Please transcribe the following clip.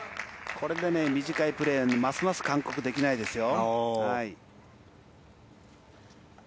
これで短いプレーはますます韓国はできないですよ。